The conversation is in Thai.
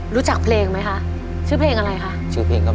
รู้จักเพลงไหมคะชื่อเพลงอะไรคะ